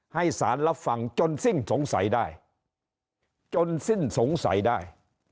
ให้สารรับฟังจนสิ้นสงสัยได้จนสิ้นสงสัยได้